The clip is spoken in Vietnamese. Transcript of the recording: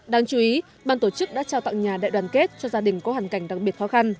đáng chú ý ban tổ chức đã trao tặng nhà đại đoàn kết cho gia đình có hoàn cảnh đặc biệt khó khăn